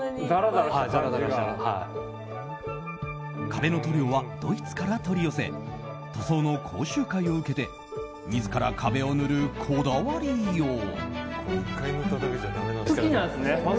壁の塗料はドイツから取り寄せ塗装の講習会を受けて自ら壁を塗る、こだわりよう。